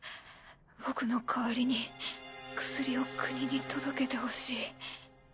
僕の代わりに薬を国に届けてほしい。